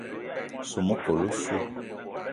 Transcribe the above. Soo mekol osso.